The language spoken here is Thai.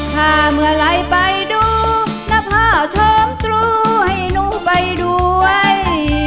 ถ้าเมื่อไหร่ไปดูนภาพชมตรูให้หนูไปด้วย